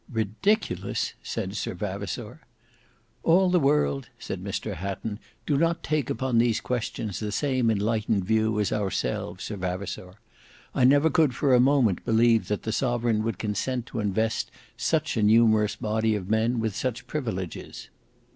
"Ridiculous!" said Sir Vavasour. "All the world," said Mr Hatton, "do not take upon these questions the same enlightened view as ourselves, Sir Vavasour. I never could for a moment believe that the Sovereign would consent to invest such a numerous body of men with such privileges."